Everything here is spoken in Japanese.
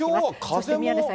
そして宮根さん。